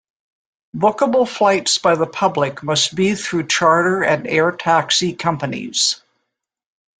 Bookable flights by the public must be through charter and air taxi companies.